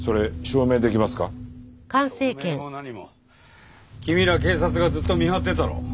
証明も何も君ら警察がずっと見張ってたろう。